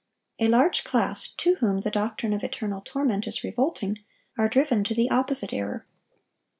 A large class to whom the doctrine of eternal torment is revolting, are driven to the opposite error.